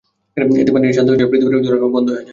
এতে পানি শান্ত হয়ে যায় ও পৃথিবীর ঝরনাসমূহ বন্ধ হয়ে যায়।